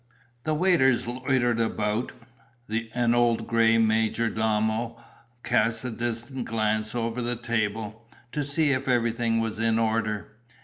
The waiters loitered about. An old grey major domo cast a distant glance over the table, to see if everything was in order.